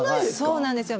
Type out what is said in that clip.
そうなんですよ。